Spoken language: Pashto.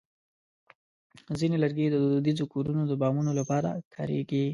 ځینې لرګي د دودیزو کورونو د بامونو لپاره کارېږي.